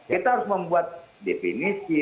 kita harus membuat definisi